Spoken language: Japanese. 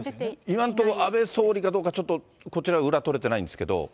今のところ、安倍総理かどうかちょっとこちら、裏取れてないんですけれども。